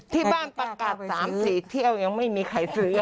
ที่บ้านประกาศ๓๔เที่ยวยังไม่มีใครซื้อ